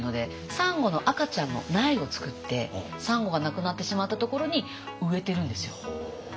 サンゴの赤ちゃんの苗を作ってサンゴがなくなってしまったところに植えてるんですよ。